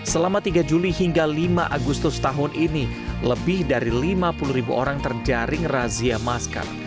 selama tiga juli hingga lima agustus tahun ini lebih dari lima puluh ribu orang terjaring razia masker